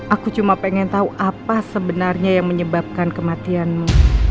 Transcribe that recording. aku cuma pengen tahu apa sebenarnya yang menyebabkan kematianmu